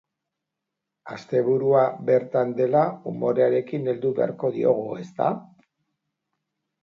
Asteburua bertan dela, umorearekin heldu beharko diogu, ezta?